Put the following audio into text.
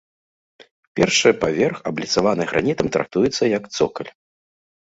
Першы паверх, абліцаваны гранітам, трактуецца як цокаль.